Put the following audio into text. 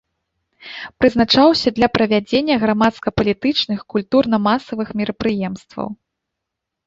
Прызначаўся для правядзення грамадска-палітычычных, культурна-масавых мерапрыемстваў.